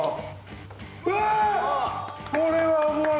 うわ！